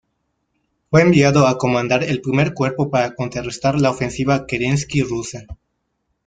Fue enviado a comandar el I Cuerpo para contrarrestar la Ofensiva Kerensky rusa.